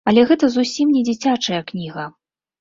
Але гэта зусім не дзіцячая кніга.